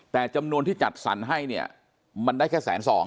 แต่จำนวนที่จัดศรรย์ให้มันได้แค่๑๐๒๐๐๐